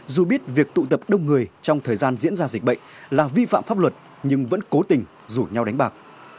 dù biết việc tụ tập đông người trong thời gian diễn ra dịch bệnh là vi phạm pháp luật nhưng vẫn cố tình rủ nhau đánh bạc